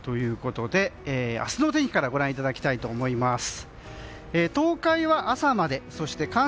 明日の天気からご覧いただきたいと思います。